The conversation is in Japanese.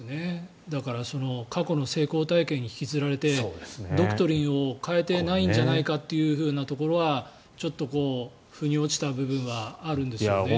だから過去の成功体験に引きずられてドクトリンを変えてないんじゃないかというところはちょっと腑に落ちた部分はあるんですよね。